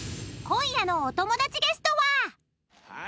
［今夜のお友達ゲストは］